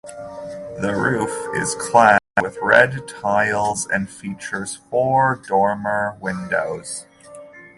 The roof is clad with red tiles and features four dormer windows.